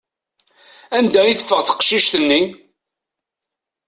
Anda i teffeɣ teqcict-nni?